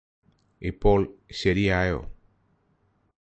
ഇപ്പോൾ ശരിയായോ